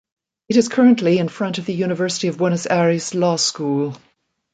It is currently in front of the University of Buenos Aires Law School.